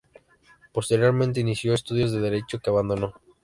Posteriormente inició estudios de Derecho, que abandonó.